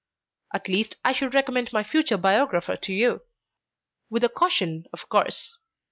At least, I should recommend my future biographer to you with a caution, of course.